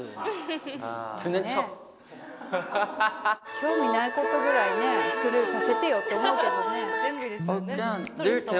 興味ないことぐらいねスルーさせてよって思うけどね。